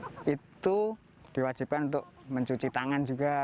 terus nanti di visitor center itu itu diwajibkan untuk mencuci tangan juga